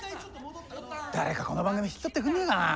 誰かこの番組引き取ってくんないかなあ。